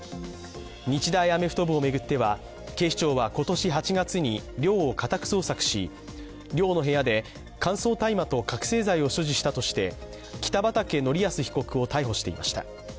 日大アメフト部を巡っては、警視庁は今年８月に寮を家宅捜索し、寮の部屋で乾燥大麻と覚せい剤を所持したとして北畠成文被告を逮捕していました。